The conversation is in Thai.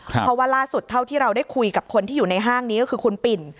เพราะว่าล่าสุดเท่าที่เราได้คุยกับคนที่อยู่ในห้างนี้ก็คือคุณปิ่น